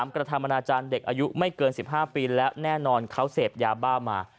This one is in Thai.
กระทำอนาจารย์เด็กอายุไม่เกิน๑๕ปีและแน่นอนเขาเสพยาบ้ามา